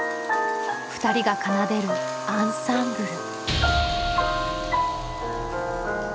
２人が奏でるアンサンブル。